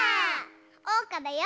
おうかだよ！